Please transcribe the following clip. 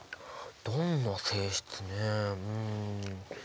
どんな性質ねうん。